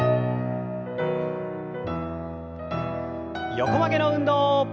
横曲げの運動。